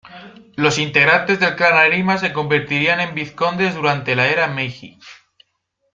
Los integrantes del Clan Arima se convertirían en vizcondes durante la era Meiji.